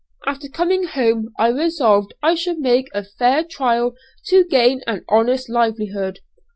After coming home I resolved I should make a fair trial to gain an honest livelihood.